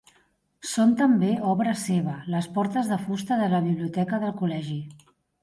Són també obra seva les portes de fusta de la biblioteca del col·legi.